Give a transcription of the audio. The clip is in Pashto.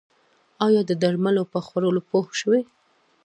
ایا د درملو په خوړلو پوه شوئ؟